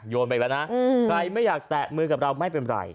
ไปแล้วนะใครไม่อยากแตะมือกับเราไม่เป็นไร